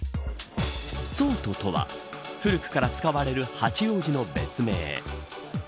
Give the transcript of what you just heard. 桑都とは古くから使われる八王子の別名。